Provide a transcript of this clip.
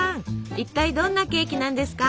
一体どんなケーキなんですか？